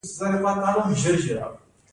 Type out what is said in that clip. حکومت باید زمینه برابره کړي